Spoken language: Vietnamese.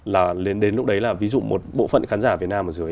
là đến lúc đấy là ví dụ một bộ phận khán giả việt nam ở dưới